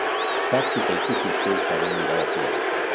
Sartu eta ikusi zeu zaren irabazlea.